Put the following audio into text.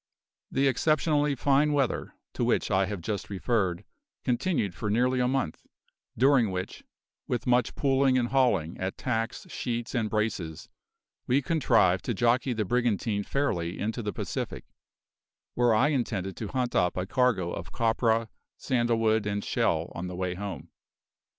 The exceptionally fine weather, to which I have just referred, continued for nearly a month, during which, with much pulling and hauling at tacks, sheets, and braces, we contrived to jockey the brigantine fairly into the Pacific, where I intended to hunt up a cargo of copra, sandalwood, and shell on the way home.